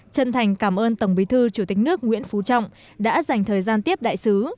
chân thành cảm ơn tổng bí thư chủ tịch nước nguyễn phú trọng đã dành thời gian tiếp đại sứ